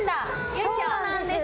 そうなんです。